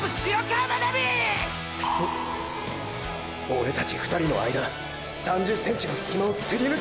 オレたち２人の間３０ｃｍのスキマをすり抜けた！！